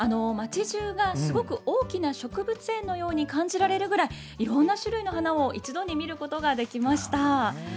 町じゅうがすごく大きな植物園のように感じられるぐらい、いろんな種類の花を一度に見ることができました。